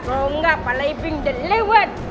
kalau gak pala ipink dia lewat